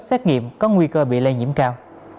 xét nghiệm có nguy cơ bị lây nhiễm cao